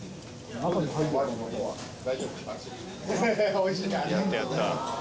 おいしい。